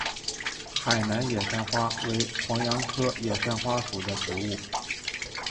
海南野扇花为黄杨科野扇花属的植物。